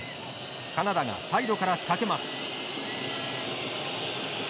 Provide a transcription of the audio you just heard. カナダがサイドから仕掛けます。